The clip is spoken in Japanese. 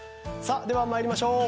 では、参りましょう。